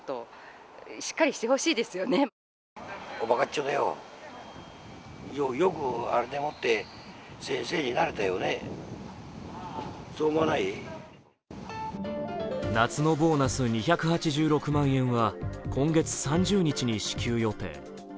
地元・静岡では夏のボーナス２８６万円は今月３０日に支給予定。